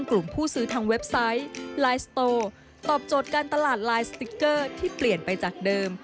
กลุ่มผู้ซื้อทางเว็บไซต์ไลน์สโตตอบโจทย์การตลาดลายสติ๊กเกอร์ที่เปลี่ยนไปจากเดิม